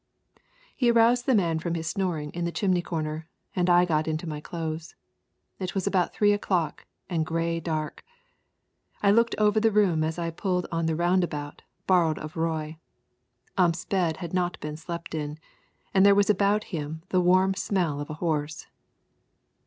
He aroused the man from his snoring in the chimney corner, and I got into my clothes. It was about three o'clock and grey dark. I looked over the room as I pulled on the roundabout borrowed of Roy. Ump's bed had not been slept in, and there was about him the warm smell of a horse.